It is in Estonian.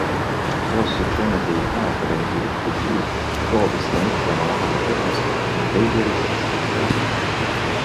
Wall Street Journali ajakirjanik Lettie Teague proovis seda nippi oma nahal ja tõdes, et veidi oli sellest tõesti abi.